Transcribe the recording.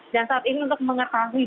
dan saat ini untuk mengetahui